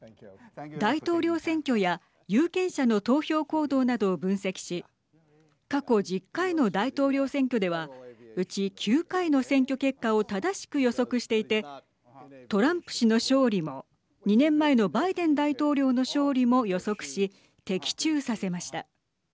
大統領選挙や有権者の投票行動などを分析し過去１０回の大統領選挙ではうち９回の選挙結果を正しく予測していてトランプ氏の勝利も２年前のバイデン大統領の勝利も予測し、的中させました。